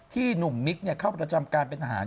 หนุ่มมิกเข้าประจำการเป็นทหาร